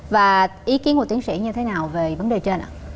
và ý kiến của tiến sĩ như thế nào về vấn đề trên ạ